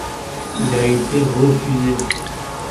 Il a été refusé.